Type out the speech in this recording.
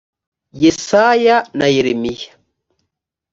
yesaya na yeremiya